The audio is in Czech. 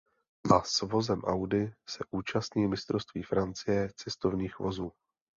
A s vozem Audi se účastní Mistrovství Francie cestovních vozů.